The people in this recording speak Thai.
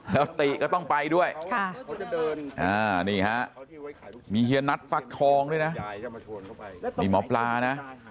แล้วติก็ต้องไปด้วยนี่ฮะมีเฮียนัทฟักทองด้วยนะนี่หมอปลานะ